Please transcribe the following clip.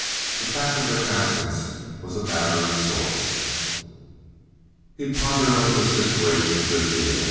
The fact of their absence was a matter of source. He pondered over the situation a good deal.